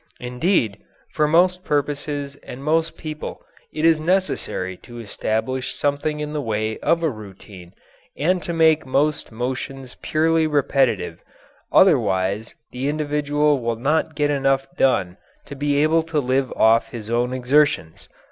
Indeed, for most purposes and most people, it is necessary to establish something in the way of a routine and to make most motions purely repetitive otherwise the individual will not get enough done to be able to live off his own exertions.